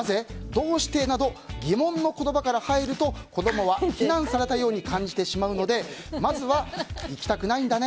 どうして？など疑問の言葉から入ると子供は非難されたように感じてしまうのでまずは、行きたくないんだね